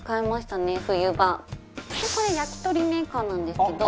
これ焼き鳥メーカーなんですけど。